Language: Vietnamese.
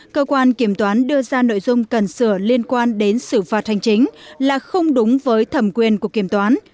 cơ quan kiểm toán đưa ra nội dung cần sửa liên quan đến xử phạt hành chính là không đúng với thẩm quyền của kiểm toán